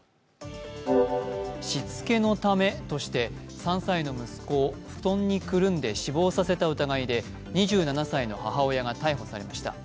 しつけのためとして、３歳の息子を布団にくるんで死亡させた疑いで２７歳の母親が逮捕されました。